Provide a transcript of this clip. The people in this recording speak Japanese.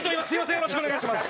よろしくお願いします。